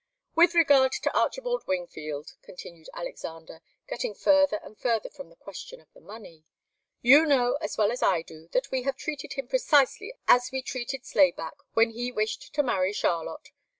"With regard to Archibald Wingfield," continued Alexander, getting further and further from the question of the money, "you know as well as I do, that we have treated him precisely as we treated Slayback, when he wished to marry Charlotte.